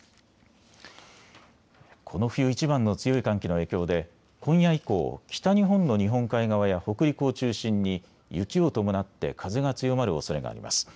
この冬いちばんの強い寒気の影響で今夜以降、北日本の日本海側や北陸を中心に雪を伴って風が強まるおそれがあります。